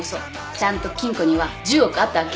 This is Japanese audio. ちゃんと金庫には１０億あったわけ。